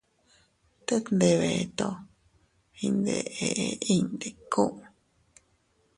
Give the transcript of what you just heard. Tet ndebeto iyndeʼe inñ ndiku.